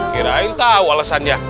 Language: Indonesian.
kirain tahu alasannya